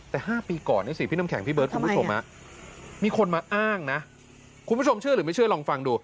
แต่๕ปีก่อนนะสิพี่น้ำแข็งพี่เบิร์ดคุณผู้ชมมีคนมาอ้างนะคุณผู้ชมเชื่อหรือไม่เชื่อลองฟังดู